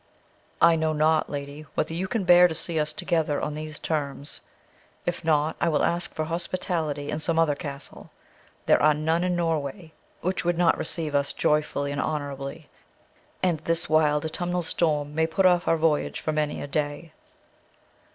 I know not, lady, whether you can bear to see us together on these terms; if not, I will ask for hospitality in some other castle; there are none in Norway which would not receive us joyfully and honourably, and this wild autumnal storm may put off our voyage for many a day.